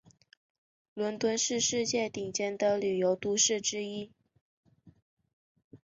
伦敦是世界顶尖的旅游都市之一。